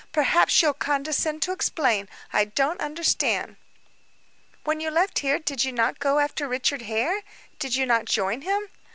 "Perhaps you'll condescend to explain. I don't understand." "When you left here, did you not go after Richard Hare did you not join him?"